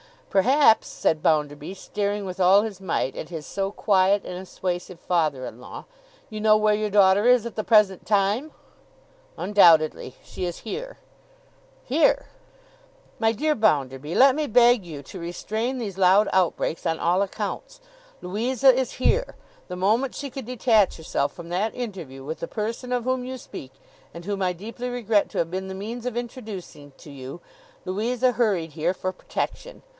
Perhaps,' said Bounderby, staring with all his might at his so quiet and assuasive father in law, 'you know where your daughter is at the present time!' 'Undoubtedly. She is here.' 'Here?' 'My dear Bounderby, let me beg you to restrain these loud out breaks, on all accounts. Louisa is here. The moment she could detach herself from that interview with the person of whom you speak, and whom I deeply regret to have been the means of introducing to you, Louisa hurried here, for protection.